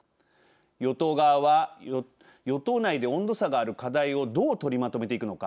与党側は与党内で温度差がある課題をどう取りまとめていくのか。